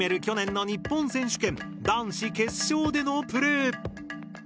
去年の日本選手権男子決勝でのプレイ。